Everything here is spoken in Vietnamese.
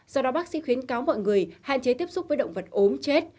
do đó bác sĩ khuyến cáo mọi người hạn chế tiếp xúc với động vật ốm chết